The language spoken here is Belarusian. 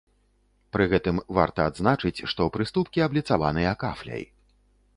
Пры гэтым варта адзначыць, што прыступкі абліцаваныя кафляй.